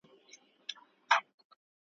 لر او بر افغانان راټول سوي دي `